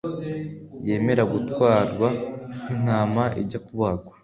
Yemera gutwarwa nk intama ijya kubagwa